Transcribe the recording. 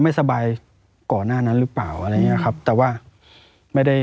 ไม่สบายก่อนหน้านั้นหรือเปล่าอะไรอย่างเงี้ยครับแต่ว่าไม่ได้